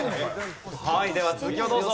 では続きをどうぞ。